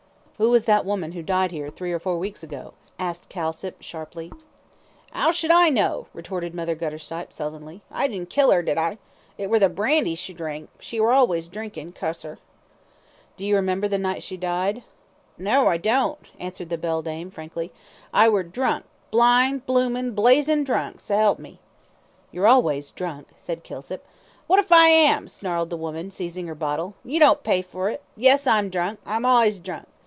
"Who was that woman who died here three or four weeks ago?" asked Kilsip, sharply. "'Ow should I know?" retorted Mother Guttersnipe, sullenly. "I didn't kill 'er, did I? It were the brandy she drank; she was allays drinkin', cuss her." "Do you remember the night she died?" "No, I don't," answered the beldame, frankly. "I were drunk blind, bloomin', blazin' drunk s'elp me." "You're always drunk," said Kilsip. "What if I am?" snarled the woman, seizing her bottle. "You don't pay fur it. Yes, I'm drunk. I'm allays drunk.